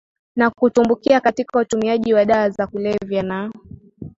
Na kutumbukia katika utumiaji wa dawa za kulevya na